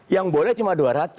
yang boleh cuma dua ratus